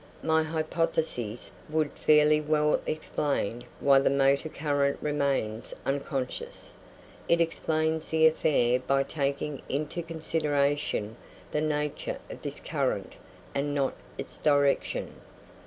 My hypothesis would fairly well explain why the motor current remains unconscious; it explains the affair by taking into consideration the nature of this current and not its direction.